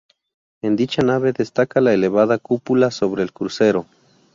En dicha nave destaca la elevada cúpula sobre el crucero.